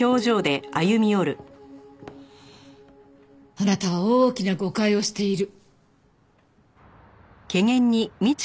あなたは大きな誤解をしている。